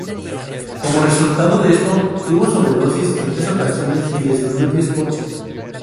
Como resultado de esto, tuvo sobredosis en tres ocasiones, y destruyó diez coches.